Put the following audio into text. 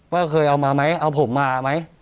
ว่าเคยเอามาไหมเอาผมมาไหม